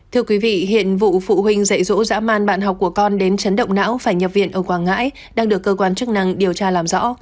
thưa quý vị hiện vụ phụ huynh dạy dỗ dã man bạn học của con đến chấn động não phải nhập viện ở quảng ngãi đang được cơ quan chức năng điều tra làm rõ